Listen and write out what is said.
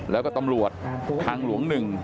และก็ตำรวจทางหลวงหนึ่ง